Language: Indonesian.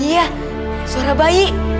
iya suara bayi